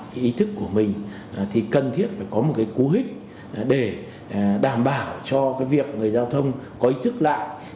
cái ý thức của mình thì cần thiết phải có một cái cú hích để đảm bảo cho cái việc người giao thông có ý thức lại